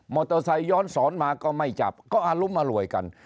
โตไซคย้อนสอนมาก็ไม่จับก็อารุมอร่วยกัน